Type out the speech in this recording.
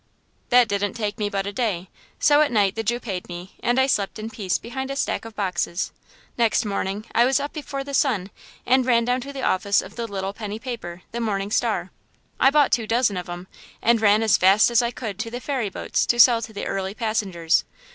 That didn't take me but a day. So at night the Jew paid me, and I slept in peace behind a stack of boxes. Next morning I was up before the sun and down to the office of the little penny paper, the 'Morning Star.' I bought two dozen of 'em and ran as fast as I could to the ferry boats to sell to the early passengers.